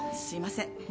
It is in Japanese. すみません